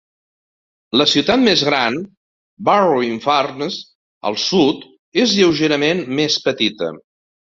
La ciutat més gran, Barrow-in-Furness, al sud, és lleugerament més petita.